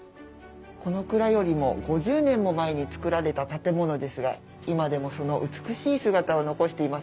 この蔵よりも５０年も前に造られた建物ですが今でもその美しい姿を残していますよね。